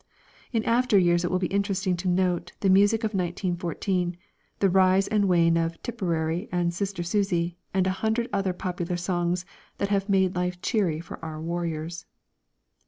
In after years it will be interesting to note the music of 1914, the rise and wane of "Tipperary" and "Sister Susie" and a hundred other popular songs that have made life cheery for our warriors.